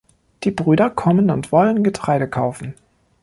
Die Brüder kommen und wollen Getreide kaufen.